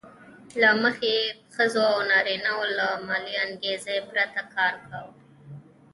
له مخې یې ښځو او نارینه وو له مالي انګېزې پرته کار کاوه